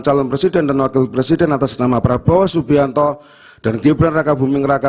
calon presiden dan wakil presiden atas nama prabowo subianto dan gibran raka buming raka